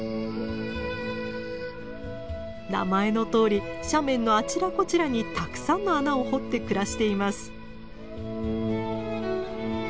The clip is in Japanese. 名前のとおり斜面のあちらこちらにたくさんの穴を掘って暮らしています。